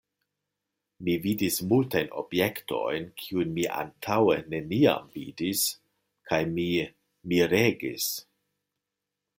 Mi vidis multajn objektojn, kiujn mi antaŭe neniam vidis, kaj mi miregis.